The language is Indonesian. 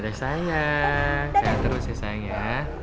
dadah sayang sayang terus ya sayang ya